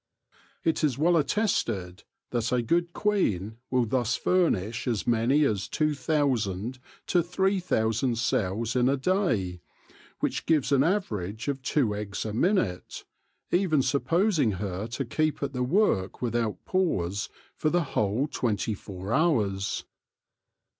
It is well attested that a good queen will thus furnish as many as two thousand to three thousand cells in a day, which gives an average of two eggs a minute, even supposing her to keep at the work without pause for the whole twenty four hours.